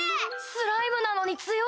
スライムなのに強い！